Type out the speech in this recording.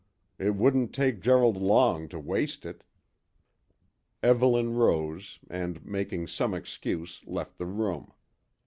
It wouldn't take Gerald long to waste it." Evelyn rose, and, making some excuse, left the room.